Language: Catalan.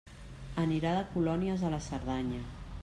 Anirà de colònies a la Cerdanya.